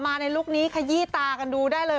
มาในลูกนี้กระยี่ตากันดูได้เลย